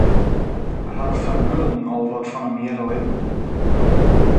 Hat Vermeulen al wat fan him hearre litten?